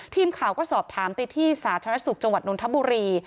ทีมข่าวก็สอบถามไปที่สาธารณสุขจังหวัดนทบุรี